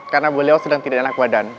karena bu leo sedang tidak enak badan